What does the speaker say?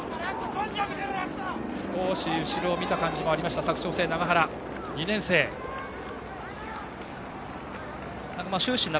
少し後ろを見た感じもありました佐久長聖の２年生、永原。